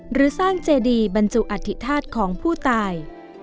หรือสร้างเจดีบรรจุอธิษฐาตุของผู้ตาย